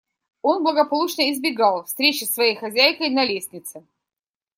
Он благополучно избегал встречи с своей хозяйкой на лестнице.